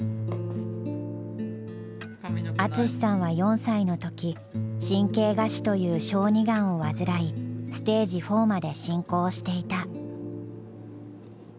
淳さんは４歳の時神経芽腫という小児がんを患いステージ４まで進行していた。